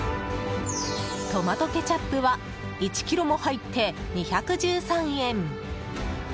トマトケチャップは１ｋｇも入って２１３円。